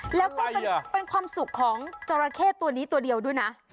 แล้วก็เป็นความสุขของจราเข้ตัวนี้ตัวเดียวด้วยนะ